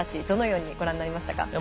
どのようにご覧になりましたか。